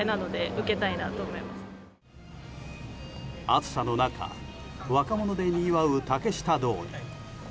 暑さの中、若者でにぎわう竹下通り。